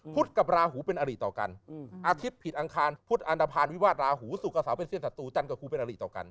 พุทธกับราหูเป็นอหลีต่อกันอาทิตย์ผิดอังคารพุทธอัตรภาณวิวาสราหุสู่กสาวเป็นเซี่ยสตูจันก็คูเป็นอหลีต่อกัน